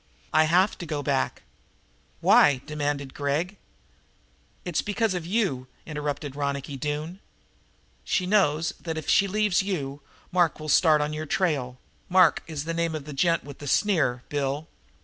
"I have to go back." "Why?" demanded Gregg. "It's because of you," interpreted Ronicky Doone. "She knows that, if she leaves you, Mark will start on your trail. Mark is the name of the gent with the sneer, Bill."